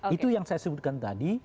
itu yang saya sebutkan tadi